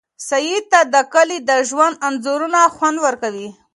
سعید ته د کلي د ژوند انځورونه خوند ورکوي.